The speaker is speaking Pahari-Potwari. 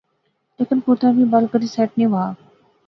لیکن کوتے وی بل کری سیٹ نی وہا